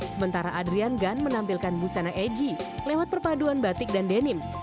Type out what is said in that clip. sementara adrian gun menampilkan busana egy lewat perpaduan batik dan denim